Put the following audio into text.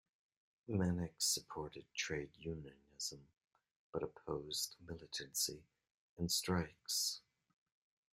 Mannix supported trade unionism but opposed militancy and strikes.